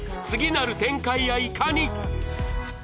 次なる展開やいかに